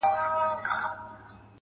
نه؛ مزل سخت نه و، آسانه و له هري چاري